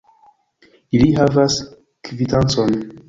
Ili havas kvitancon.